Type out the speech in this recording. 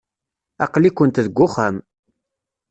Aql-ikent deg uxxam.